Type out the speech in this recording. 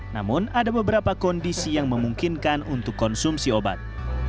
namun ada beberapa kondisi yang memungkinkan untuk konsumsi obat